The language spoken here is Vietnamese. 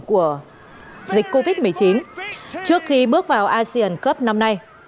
của dịch covid một mươi chín trước khi bước vào asean cup năm nay